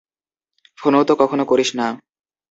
ফোনও তো কখনো করিস না।